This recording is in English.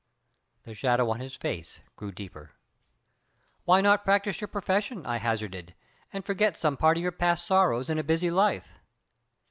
The shadow on his face grew deeper. "Why not practice your profession," I hazarded, "and forget some part of your past sorrows in a busy life?"